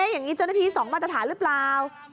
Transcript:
อย่างนี้เจ้าหน้าที่๒มาตรฐานหรือเปล่า